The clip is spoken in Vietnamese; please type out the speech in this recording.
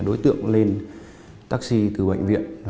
đối tượng lên taxi từ bệnh viện